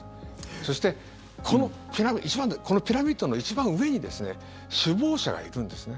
そして、このピラミッドの一番上にですね首謀者がいるんですね。